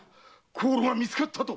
香炉が見つかったと？